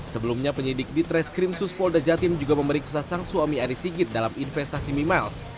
sebelumnya penyidik di trace cream suspolda jatin juga memeriksa sang suami arisigit dalam investasi mimiles